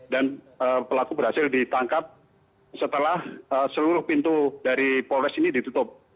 dan pelaku berhasil ditangkap setelah seluruh pintu dari polres ini ditutup